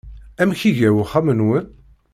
Amek iga uxxam-nwen?